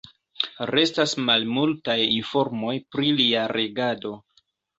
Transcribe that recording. Restas malmultaj informoj pri lia regado.